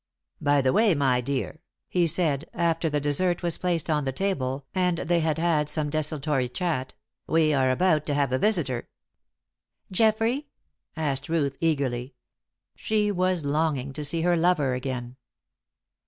"By the way, my dear," he said, after the dessert was placed on the table and they had had some desultory chat, "we are about to have a visitor." "Geoffrey?" asked Ruth, eagerly. She was longing to see her lover again.